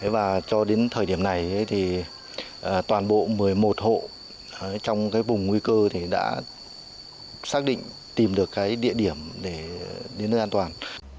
và cho đến thời điểm này toàn bộ một mươi một hộ trong vùng nguy cơ đã xác định tìm được địa điểm để đến nơi an toàn